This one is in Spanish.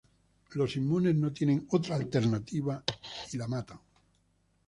Los inmunes no tienen otra alternativa y la matan.